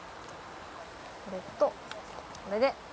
これとこれで。